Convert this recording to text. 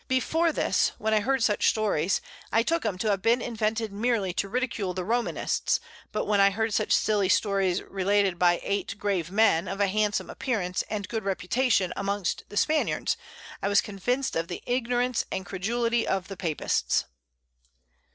Before this, when I heard such Stories, I took 'em to have been invented meerly to ridicule the Romanists, but when I heard such silly Stories related by 8 grave Men, of a handsome Appearance and good Reputation amongst the Spaniards, I was convinc'd of the Ignorance and Credulity of the Papists.